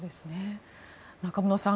中室さん